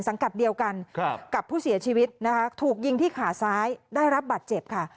กัดเดียวกันกับผู้เสียชีวิตนะคะถูกยิงที่ขาซ้ายได้รับบาดเจ็บค่ะ